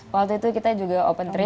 waktu itu kita juga open tiga